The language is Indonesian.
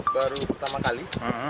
baru pertama kali